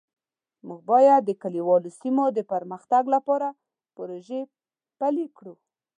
موږ باید د کلیوالو سیمو د پرمختګ لپاره پروژې پلي کړو